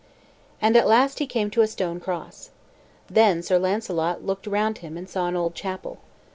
And at last he came to a stone cross. Then Sir Launcelot looked round him, and saw an old chapel.